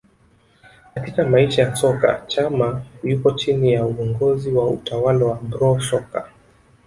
Katika maisha ya soka Chama yuko chini ya uongozi wa utawala wa Bro Soccer